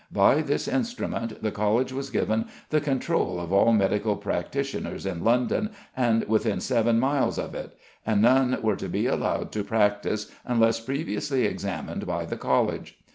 By this instrument the College was given the control of all medical practitioners in London and within seven miles of it, and none were to be allowed to practise unless previously examined by the College.